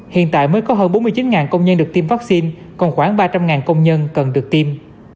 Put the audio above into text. hiện tại mới có hơn bốn mươi chín công nhân được tiêm vaccine còn khoảng ba trăm linh công nhân cần được tiêm